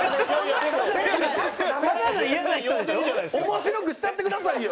面白くしてやってくださいよ。